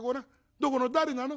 どこの誰なの？